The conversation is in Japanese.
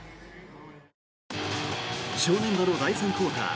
正念場の第３クオーター。